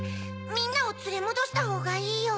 みんなをつれもどしたほうがいいよ。